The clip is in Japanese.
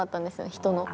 人の。